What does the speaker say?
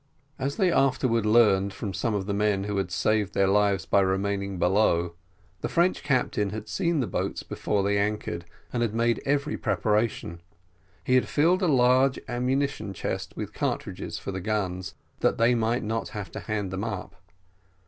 As they afterwards learned from some of the men who had saved their lives by remaining below, the French captain had seen the boats before they anchored, and had made every preparation; he had filled a large ammunition chest with cartridges for the guns, that they might not have to hand them up.